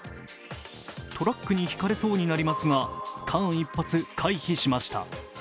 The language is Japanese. トラックにひかれそうになりますが、間一髪回避しました。